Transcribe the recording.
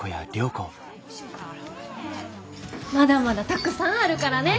まだまだたくさんあるからね！